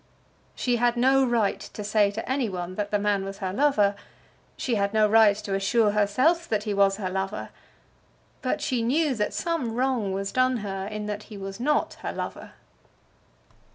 She had no right to say to any one that the man was her lover. She had no right to assure herself that he was her lover. But she knew that some wrong was done her in that he was not her lover.